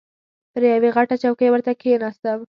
پر یوې غټه چوکۍ ورته کښېناستم.